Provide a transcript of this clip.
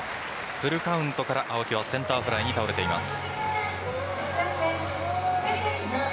フルカウントから青木はセンターフライに倒れています。